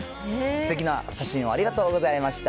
すてきな写真をありがとうございました。